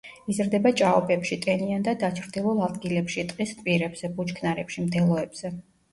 იზრდება ჭაობებში, ტენიან და დაჩრდილულ ადგილებში, ტყის პირებზე, ბუჩქნარებში, მდელოებზე.